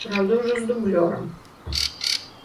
Праўда, ужо з дублёрам.